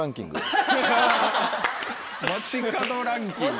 街角ランキング。